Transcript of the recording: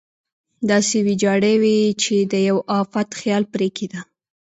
داسې ویجاړې وې چې د یوه افت خیال پرې کېده.